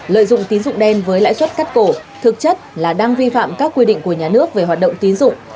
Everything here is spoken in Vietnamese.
lợi dụng tín dụng đen với lãi suất cắt cổ thực chất là đang vi phạm các quy định của nhà nước về hoạt động tín dụng